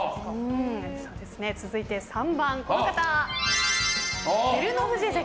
続いて３番、照ノ富士関。